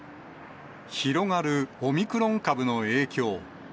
広がるオミクロン株の影響。